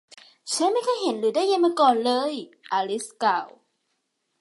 ฉันไม่เคยเห็น หรือได้ยินมาก่อนเลย อลิซกล่าว